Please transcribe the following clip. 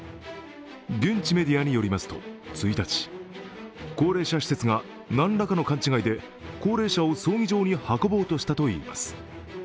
現地メディアによりますと、１日、高齢者施設が何らかの勘違いで高齢者を葬儀場に運ぼうとしたといいます。